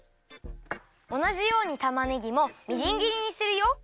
おなじようにたまねぎもみじんぎりにするよ。